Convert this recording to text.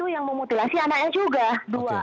yang memutilasi anaknya juga